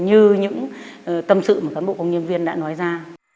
như những tâm sự mà cán bộ công nhân viên đã nói ra